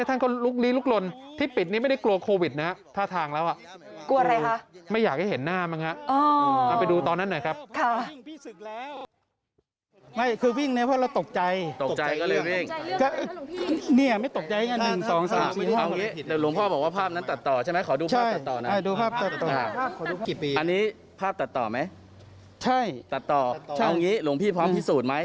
ตัดต่อไหมตัดต่อเอาอย่างนี้หลวงพี่พร้อมพิสูจน์ไหม